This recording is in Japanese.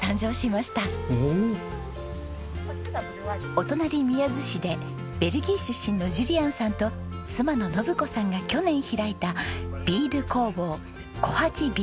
お隣宮津市でベルギー出身のジュリアンさんと妻の展子さんが去年開いたビール工房ＫＯＨＡＣＨＩｂｅｅｒｗｏｒｋｓ。